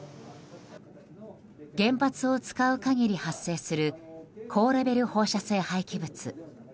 原発を使う限り発生する高レベル放射性廃棄物